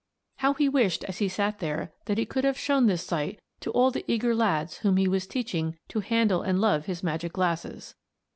How he wished as he sat there that he could have shown this sight to all the eager lads whom he was teaching to handle and love his magic glasses.